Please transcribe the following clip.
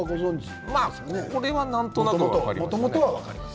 これはなんとなく分かります。